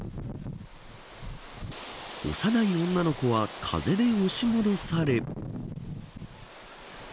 幼い女の子は風に押し戻され。